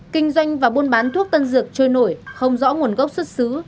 kinh doanh và buôn bán thuốc tân dược trôi nổi không rõ nguồn gốc xuất xứ